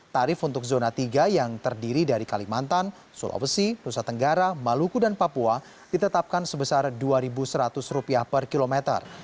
tarif untuk zona tiga yang terdiri dari kalimantan sulawesi nusa tenggara maluku dan papua ditetapkan sebesar rp dua seratus per kilometer